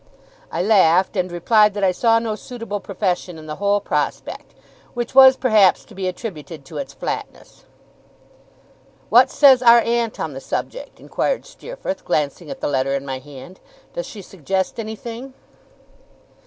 I laughed, and replied that I saw no suitable profession in the whole prospect; which was perhaps to be attributed to its flatness. 'What says our aunt on the subject?' inquired Steerforth, glancing at the letter in my hand. 'Does she suggest anything?